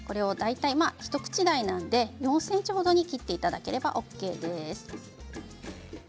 一口大なので、４ｃｍ程に切っていただければＯＫです。